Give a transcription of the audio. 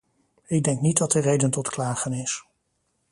Ik denk niet dat er reden tot klagen is.